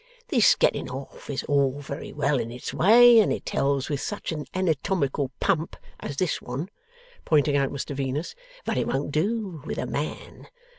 This getting off is all very well in its way, and it tells with such an anatomical Pump as this one,' pointing out Mr Venus, 'but it won't do with a Man.